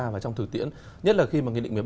và trong thực tiễn nhất là khi mà nghị định một mươi ba